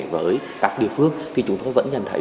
với các địa phương thì chúng tôi vẫn nhận thấy